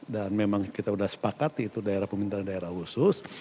dan memang kita sudah sepakat itu daerah pemerintahan daerah khusus